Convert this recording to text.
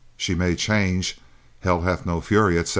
She may change—Hell hath no fury, etc.